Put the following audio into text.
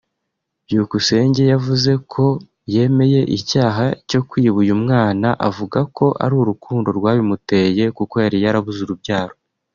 Byukusenge yavuze ko yemeye icyaha cyo kwiba uyu mwana avuga ko ari urukundo rwabimuteye kuko yari yarabuze urubyaro